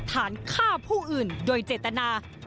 ฐานฆ่าผู้อื่นโดยเจตนา